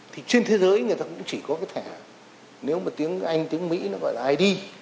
thì trên thế giới người ta cũng chỉ có cái thẻ nếu mà tiếng anh tiếng mỹ nó gọi là id